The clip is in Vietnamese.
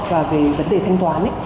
và về vấn đề thanh toán